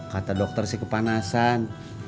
kata dokter sih kepanasan